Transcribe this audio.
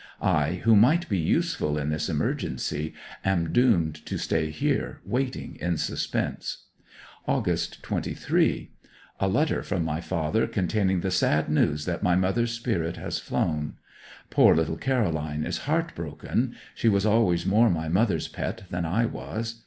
I, who might be useful in this emergency, am doomed to stay here, waiting in suspense. August 23. A letter from my father containing the sad news that my mother's spirit has flown. Poor little Caroline is heart broken she was always more my mother's pet than I was.